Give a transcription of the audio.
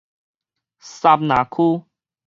杉林區